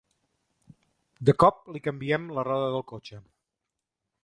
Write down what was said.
De cop li canviem la roda del cotxe.